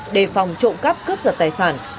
để phòng trộm cắp cướp giật tài sản